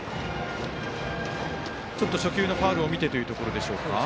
ちょっと初球のファウルを見てというところでしょうか。